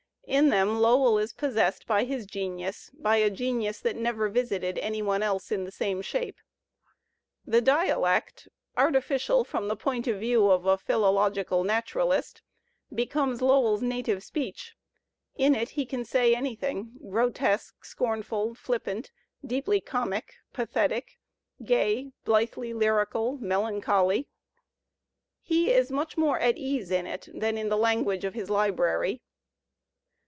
In them Lowell is possessed by his genius, by a genius that never visited any one else in the same shape. The dialect, artificial from the point of view of a philological naturalist, becomes Lowell's native speech. In it he can say anything, grotesque, scornful, fiippant, deeply comic, pathetic, gay, blithely lyrical, melancholy. He is much more at ease in it than in the language of his library.